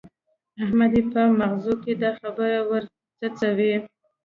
احمد يې په مغزو کې دا خبره ور څڅوي.